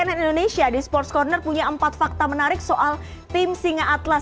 cnn indonesia di sports corner punya empat fakta menarik soal tim singa atlas